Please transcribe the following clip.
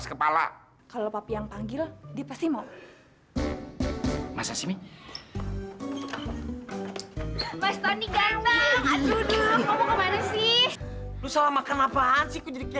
sampai jumpa di video selanjutnya